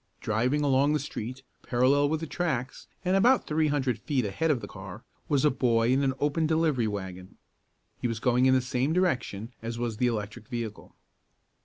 Driving along the street, parallel with the tracks, and about three hundred feet ahead of the car, was a boy in an open delivery wagon. He was going in the same direction as was the electric vehicle.